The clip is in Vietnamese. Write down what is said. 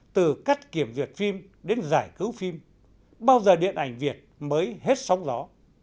từ cắt kiểm duyệt phim đến giải cứu phim bao giờ điện ảnh việt mới hết sóng gió